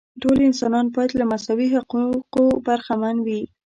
ټول انسانان باید له مساوي حقوقو برخمن وي.